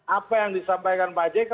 apa yang disampaikan pak jk